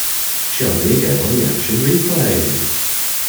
Show me again on the action replay